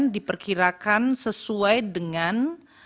diperkirakan sesuai dengan